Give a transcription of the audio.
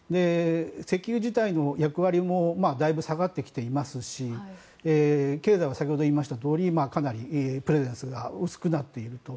石油自体の役割もだいぶ下がってきていますし経済は先ほど言いましたとおりかなりプレゼンスが薄くなっていると。